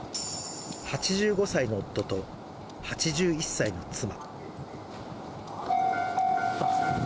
８５歳の夫と８１歳の妻。